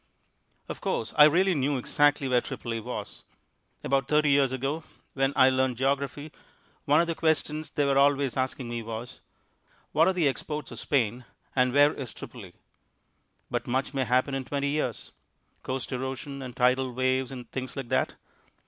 Of course I really knew exactly where Tripoli was. About thirty years ago, when I learnt geography, one of the questions they were always asking me was, "What are the exports of Spain, and where is Tripoli?" But much may happen in twenty years; coast erosion and tidal waves and things like that.